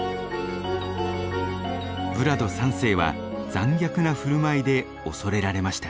ヴラド３世は残虐な振る舞いで恐れられました。